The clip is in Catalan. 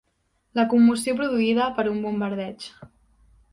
La commoció produïda per un bombardeig.